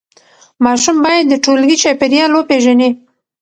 ماشوم باید د ټولګي چاپېریال وپیژني.